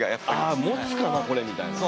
あもつかなこれみたいな。